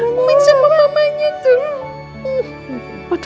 main sama mamanya tuh